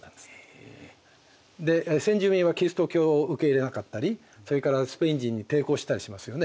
で先住民はキリスト教を受け入れなかったりそれからスペイン人に抵抗したりしますよね。